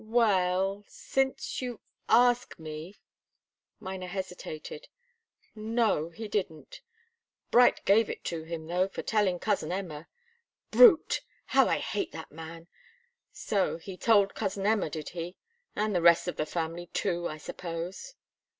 "Well since you ask me " Miner hesitated. "No he didn't. Bright gave it to him, though, for telling cousin Emma." "Brute! How I hate that man! So he told cousin Emma, did he? And the rest of the family, too, I suppose."